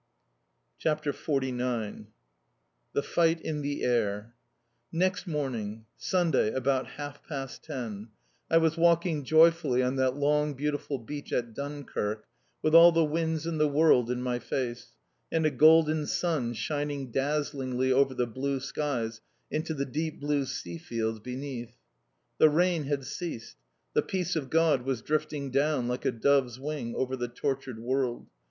[Illustration: Permit du Dunkirque.] CHAPTER XLIX THE FIGHT IN THE AIR Next morning, Sunday, about half past ten, I was walking joyfully on that long, beautiful beach at Dunkirk, with all the winds in the world in my face, and a golden sun shining dazzlingly over the blue skies into the deep blue sea fields beneath. The rain had ceased. The peace of God was drifting down like a dove's wing over the tortured world.